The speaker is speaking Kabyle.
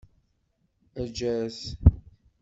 Ajjat!